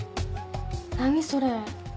何それ？